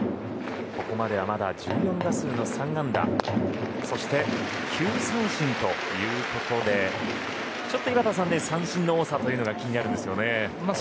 ここまではまだ１４打数３安打そして、９三振ということでちょっと井端さん三振の多さが気になりますね。